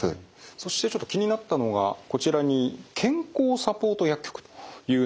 そしてちょっと気になったのがこちらに健康サポート薬局というのがあるんですが